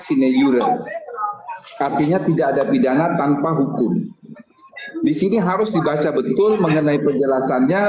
sineur artinya tidak ada pidana tanpa hukum disini harus dibaca betul mengenai penjelasannya